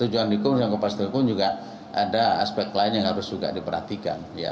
tujuan hukuman dan ke pasen hukum juga ada aspek lain yang harus juga diperhatikan